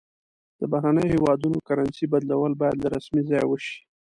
د بهرنیو هیوادونو کرنسي بدلول باید له رسمي ځایه وشي.